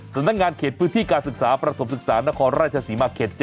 สำนักงานเขตพื้นที่การศึกษาประถมศึกษานครราชศรีมาเขต๗